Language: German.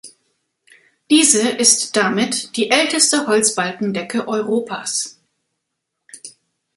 Diese ist damit die älteste Holzbalkendecke Europas.